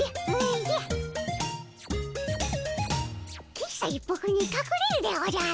喫茶一服にかくれるでおじゃる。